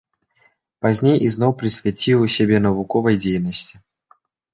Пазней ізноў прысвяціў сябе навуковай дзейнасці.